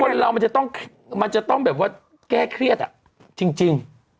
โถคนเรามันจะต้องแก้เครียดอะจริง